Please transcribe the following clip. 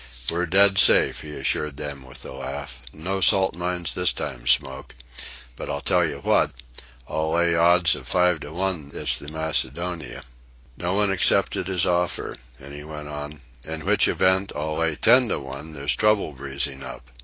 "We're dead safe," he assured them with a laugh. "No salt mines this time, Smoke. But I'll tell you what—I'll lay odds of five to one it's the Macedonia." No one accepted his offer, and he went on: "In which event, I'll lay ten to one there's trouble breezing up."